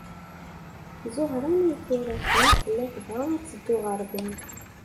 Ẓuhṛa n At Yiraten tella tebɣa ad teddu ɣer din.